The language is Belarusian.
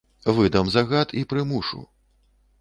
Выдам загад і прымушу.